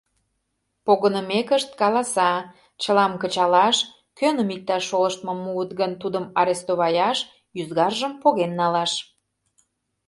Погынымекышт, каласа: чылам кычалаш, кӧным иктаж шолыштмым муыт гын, тудым арестоваяш, ӱзгаржым поген налаш.